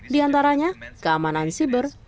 diantaranya keamanan siber